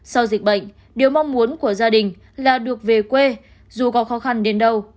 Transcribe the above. sau dịch bệnh điều mong muốn của gia đình là được về quê dù có khó khăn đến đâu